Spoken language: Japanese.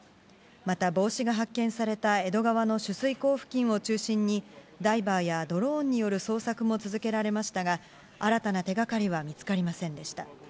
また帽子が発見された江戸川の取水口付近を中心に、ダイバーやドローンによる捜索も続けられましたが、新たな手がかりは見つかりませんでした。